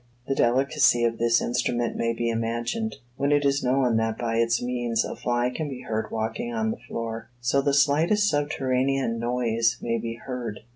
The delicacy of this instrument may be imagined, when it is known that by its means a fly can be heard walking on the floor. So the slightest subterranean noise may be heard.